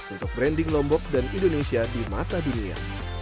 untuk branding lombok dan indonesia di mata dunia